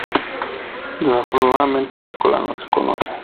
Desafortunadamente, la cola no se conoce.